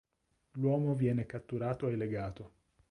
L'uomo viene catturato e legato.